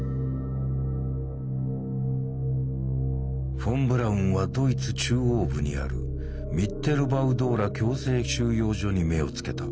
フォン・ブラウンはドイツ中央部にあるミッテルバウ＝ドーラ強制収容所に目をつけた。